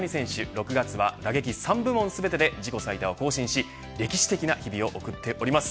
６月は打撃３部門全てで自己最多を更新し歴史的な日々を送っております。